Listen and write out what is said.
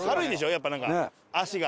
やっぱなんか足が。